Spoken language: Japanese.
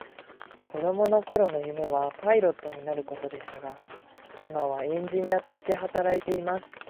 子供の頃の夢はパイロットになることでしたが、今はエンジニアとして働いています。